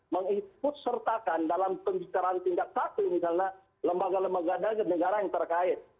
mengikut sertakan dalam pembicaraan tingkat satu misalnya lembaga lembaga negara yang terkait